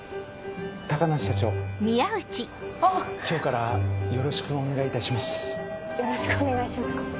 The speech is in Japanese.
今日からよろしくお願いいたします。